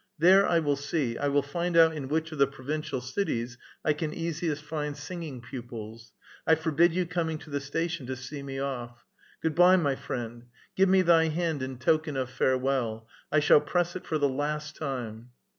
There I will see, I will find out in which of the provincial cities I can easiest find singing pupils. I forbid you coming to the station to see me off. Froshchai^ my friend ! Give me thy hand in token of farewell ; I shall press it for the last time."